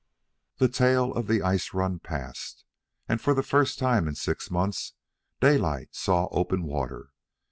The tail of the ice run passed, and for the first time in six months Daylight saw open water.